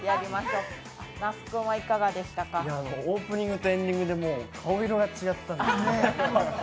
オープニングとエンディングで顔色が違った。